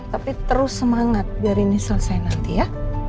tapi terus semangat biar ini selesai nanti ya